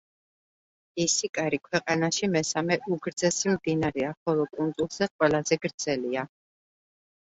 ისიკარი ქვეყანაში მესამე უგრძესი მდინარეა, ხოლო კუნძულზე ყველაზე გრძელია.